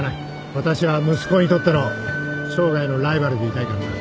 私は息子にとっての生涯のライバルでいたいからな。